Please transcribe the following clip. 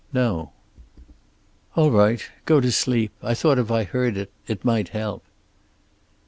"No." "All right. Go to sleep. I thought if I heard it it might help."